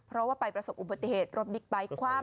เพราะว่าไปประสบอุบัติเหตุรถบิ๊กไบท์คว่ำ